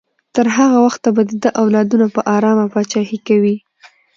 تر هغه وخته به د ده اولادونه په ارامه پاچاهي کوي.